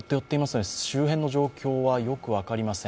周辺の状況はよく分かりません。